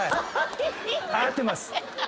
合ってます！